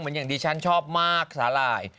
อย่างที่ฉันชอบมากสาหร่าย